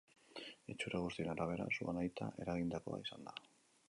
Itxura guztien arabera, sua nahita eragindakoa izan da.